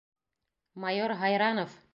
Майор Һайранов!